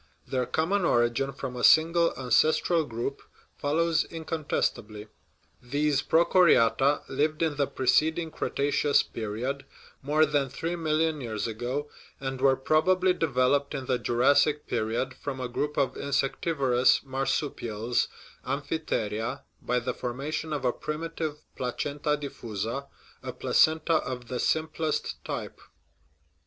Their common origin from a single ancestral group follows incontestably. These prochoriata lived in the preceding Cretaceous period (more than three million years ago), and were probably developed in the Jurassic period from a group of insectivorous marsupials (amphitheria) by the for mation of a primitive placenta diffusa, a placenta of the simplest type.